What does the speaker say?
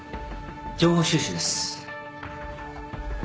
情報収集です。